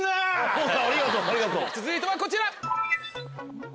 続いてはこちら！